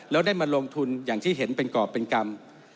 แล้วได้มาลงทุนอย่างที่เห็นเป็นกรอบเป็นกรรม